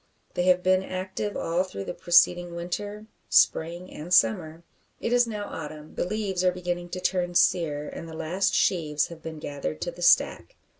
They have been active all through the preceding winter, spring, and summer. It is now autumn; the leaves are beginning to turn sere, and the last sheaves have been gathered to the stack.